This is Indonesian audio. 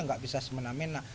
nggak bisa semena mena